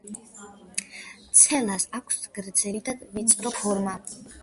ცელას აქვს გრძელი და ვიწრო ფორმა.